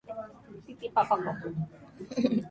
アラゴアス州の州都はマセイオである